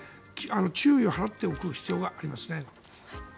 注意を払っておく必要があります。